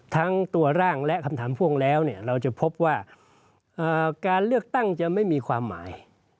ทั้งตัวร่างและคำถามพ่วงแล้วเราจะพบว่าการเลือกตั้งจะไม่มีความหมาย